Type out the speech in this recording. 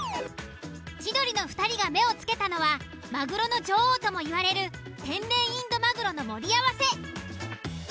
千鳥の２人が目を付けたのは鮪の女王ともいわれる天然インド鮪の盛り合わせ。